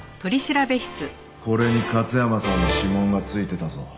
これに勝山さんの指紋が付いてたぞ。